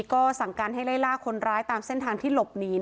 ก็สั่งการให้ไล่ล่าคนร้ายตามเส้นทางที่หลบหนี